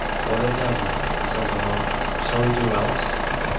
What a devil, said the monk, shall we do else?